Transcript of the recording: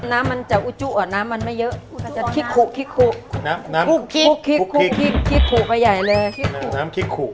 น้ำมันจะอุจุหรอน้ำมันไม่เยอะ